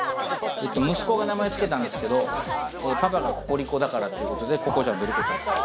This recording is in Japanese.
息子が名前つけたんですけど、パパがココリコだからっていうことで、ココちゃんとリコちゃん。